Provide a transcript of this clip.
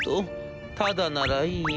タダならいいよ。